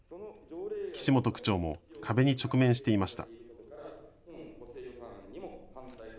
岸本区長も壁に直面していました。